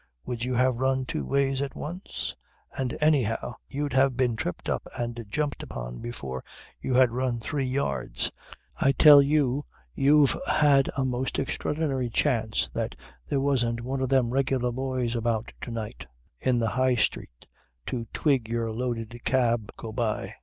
Would you have run two ways at once? And anyhow you'd have been tripped up and jumped upon before you had run three yards. I tell you you've had a most extraordinary chance that there wasn't one of them regular boys about to night, in the High Street, to twig your loaded cab go by.